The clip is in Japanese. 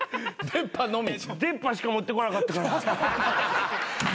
出っ歯しか持ってこなかったから。